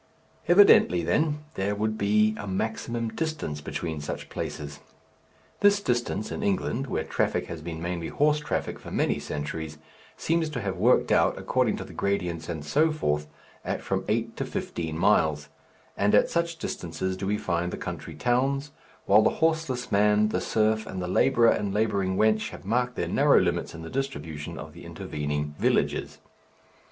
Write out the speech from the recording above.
Evidently, then, there would be a maximum distance between such places. This distance in England, where traffic has been mainly horse traffic for many centuries, seems to have worked out, according to the gradients and so forth, at from eight to fifteen miles, and at such distances do we find the country towns, while the horseless man, the serf, and the labourer and labouring wench have marked their narrow limits in the distribution of the intervening villages.